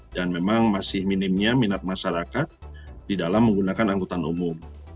dan memang masih minimnya minat masyarakat di dalam menggunakan anggotaan umum